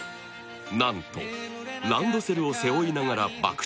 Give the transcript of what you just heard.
なんとランドセルを背負いながらバク